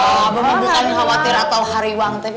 oh bukan khawatir atau hari wang tapi